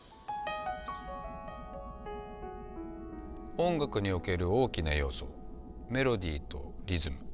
音楽における大きな要素メロディーとリズム。